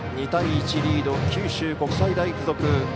２対１、リード、九州国際大付属。